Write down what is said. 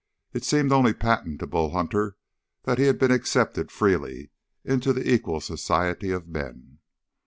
It seemed only patent to Bull Hunter that he had been accepted freely into the equal society of men.